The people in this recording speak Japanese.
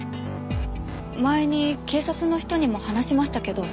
前に警察の人にも話しましたけど。